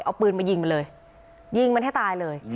เอาปืนมายิงมันเลยยิงมันให้ตายเลย